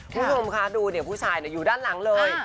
ผู้ชมค่ะรูดูนี่ผู้ชายเนี่ยอยู่ด้านหลังเลย